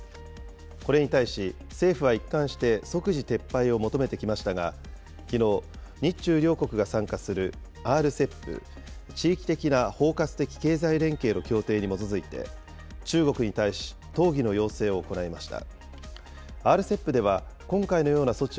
これに対し、政府は一貫して即時撤廃を求めてきましたが、きのう、日中両国が参加するＲＣＥＰ・地域的な包括的経済連携の協定に基づいて、中国に対し、討議の要請を行いました。